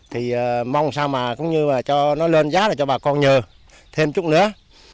thì mong sao mà cũng như là cho nó lên giá là cho bà con nhờ thêm chút nữa